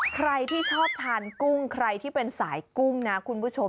ใครที่ชอบทานกุ้งใครที่เป็นสายกุ้งนะคุณผู้ชม